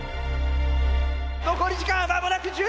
残り時間は間もなく１０秒！